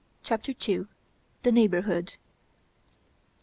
CHAPTER II. THE NEIGHBORHOOD.